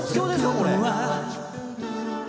これ」